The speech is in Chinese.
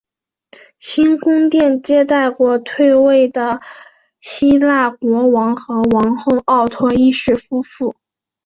新宫殿接待过退位的希腊国王和王后奥托一世夫妇。